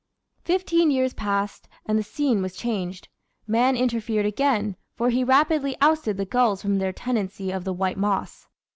Fifteen years passed, and the scene was changed. Man inter fered again, for he rapidly ousted the gulls from their tenancy of the White Moss.